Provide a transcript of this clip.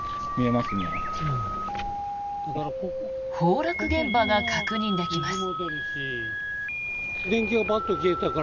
崩落現場が確認できます。